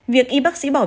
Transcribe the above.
việc y bác sĩ bỏ việc